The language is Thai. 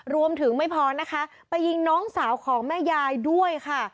รวมถึงไม่พอนะคะไปยิงน้องสาวของแม่ยายด้วยค่ะ